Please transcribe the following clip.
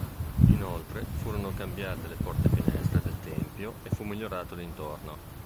Inoltre furono cambiate le porte-finestre del tempio e fu migliorato l'intorno..